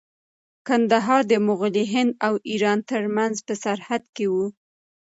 کندهار د مغلي هند او ایران ترمنځ په سرحد کې و.